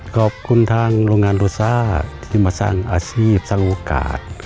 ขอบคุณทางโรงงานโรซ่าที่มาสร้างอาชีพสร้างโอกาส